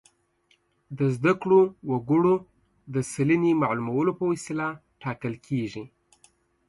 د زده کړو وګړو د سلنې معلومولو په وسیله ټاکل کیږي.